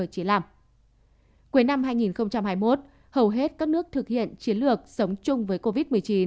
cuối năm hai nghìn hai mươi một hầu hết các nước thực hiện chiến lược sống chung với covid một mươi chín